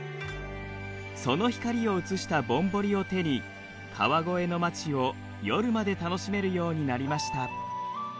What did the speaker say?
その光を映したぼんぼりを手に川越の町を夜まで楽しめるようになりました。